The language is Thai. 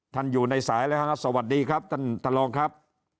ท่านอยู่ในสายแล้วนะครับสวัสดีครับท่านตลองครับ